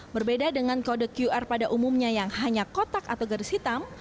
berbeda dengan kode qr pada umumnya yang hanya kotak atau garis hitam